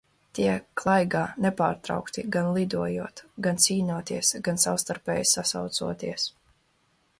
Tie klaigā nepārtraukti gan lidojot, gan cīnoties, gan savstarpēji sasaucoties.